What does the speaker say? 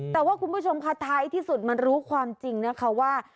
แต่ว่าคุณผู้ชมค่ะท้ายที่สุดมันรู้ความจริงนะคะว่า